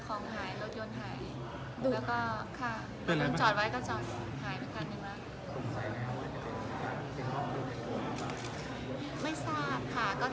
ของหายรถยนต์หายแล้วก็ค่ะ